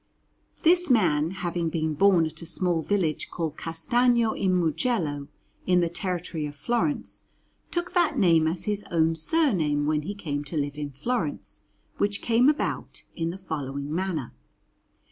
This man, having been born at a small village called Castagno in Mugello, in the territory of Florence, took that name as his own surname when he came to live in Florence, which came about in the following manner.